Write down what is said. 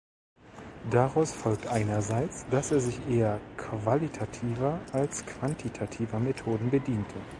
Daraus folgt einerseits, dass er sich eher qualitativer als quantitativer Methoden bediente.